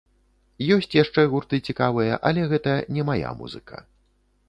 Ёсць яшчэ гурты цікавыя, але гэта не мая музыка.